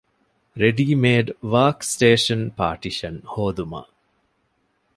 ރެޑީމޭޑް ވާރކް ސްޓޭޝަން ޕާޓިޝަން ހޯދުމަށް